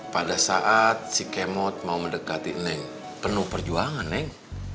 pada saat si kemot mau mendekati neng penuh perjuangan neng